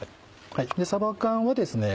さば缶はですね